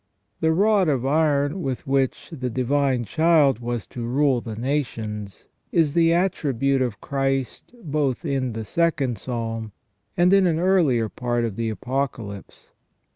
The rod of iron with which the Divine Child was to rule the nations is the attribute of Christ both in the second Psalm and in an earlier part of the Apocalypse.